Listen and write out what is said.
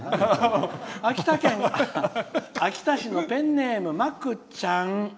秋田県秋田市のペンネームまくちゃん。